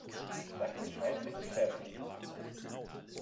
Sag Bescheid, wenn du fertig bist.